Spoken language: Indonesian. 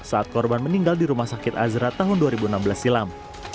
saat korban meninggal di rumah sakit azra tahun dua ribu enam belas silam